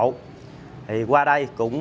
thì qua đây cũng mong